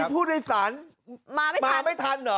พูดในศาลมาไม่ทัน